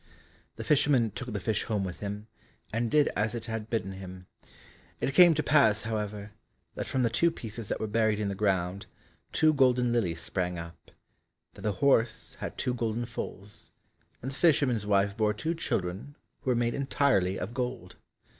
The fisherman took the fish home with him, and did as it had bidden him. It came to pass, however, that from the two pieces that were buried in the ground two golden lilies sprang up, that the horse had two golden foals, and the fisherman's wife bore two children who were made entirely of gold.